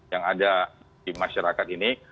yang ada di masyarakat ini